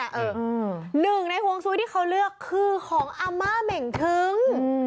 หนึ่งในห่วงซุ้ยที่เขาเลือกคือของอาม่าเหม่งทึ้ง